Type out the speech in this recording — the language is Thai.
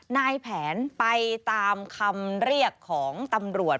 นายแผนไปตามคำเรียกของตำรวจ